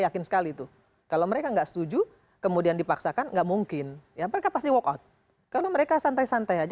yakin sekali itu kalau mereka enggak setuju kemudian dipaksakan nggak mungkin ya mereka pasti